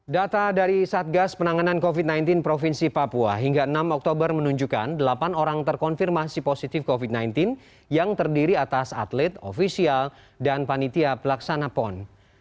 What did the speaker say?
data dari satgas penanganan covid sembilan belas provinsi papua hingga enam oktober menunjukkan delapan orang terkonfirmasi positif covid sembilan belas yang terdiri atas atlet ofisial dan panitia pelaksana pon